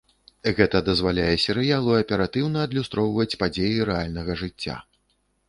Гэта дазваляе серыялу аператыўна адлюстроўваць падзеі рэальнага жыцця.